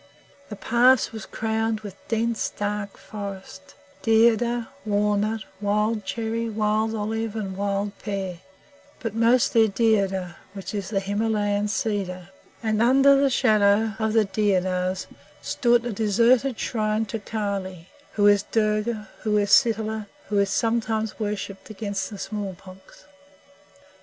The pass was crowned with dense, dark forest deodar, walnut, wild cherry, wild olive, and wild pear, but mostly deodar, which is the Himalayan cedar; and under the shadow of the deodars stood a deserted shrine to Kali who is Durga, who is Sitala, who is sometimes worshipped against the smallpox.